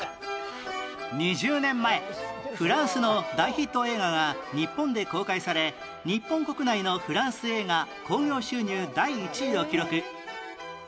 ２０年前フランスの大ヒット映画が日本で公開され日本国内のフランス映画興行収入第１位を記録